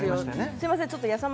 すいませんやさ